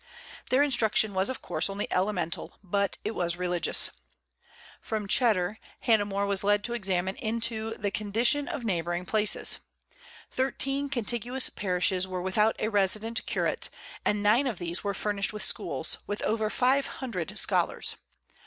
Their instruction was of course only elemental, but it was religious. From Cheddar, Hannah More was led to examine into the condition of neighboring places. Thirteen contiguous parishes were without a resident curate, and nine of these were furnished with schools, with over five hundred scholars.